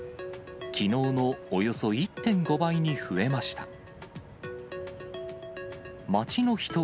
きのうのおよそ１．５倍に増えました。